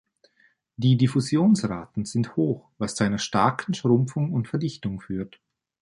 Die Diffusionsraten sind hoch, was zu einer starken Schrumpfung und Verdichtung führt.